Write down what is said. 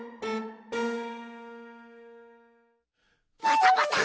バサバサ！